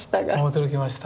驚きました。